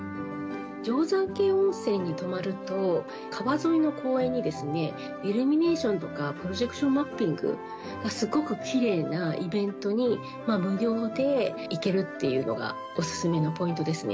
定山渓温泉に泊まると、川沿いの公園にイルミネーションとかプロジェクションマッピング、すごくきれいなイベントに、無料で行けるっていうのがお勧めのポイントですね。